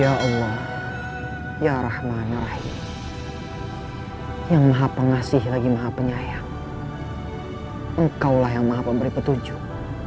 ya allah ya rahman rahim yang maha pengasih lagi maha penyayang engkau lah yang maha pemberi petunjuk